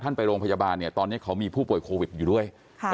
ไปโรงพยาบาลเนี่ยตอนนี้เขามีผู้ป่วยโควิดอยู่ด้วย